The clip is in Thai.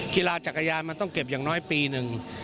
จักรยานมันต้องเก็บอย่างน้อยปีหนึ่ง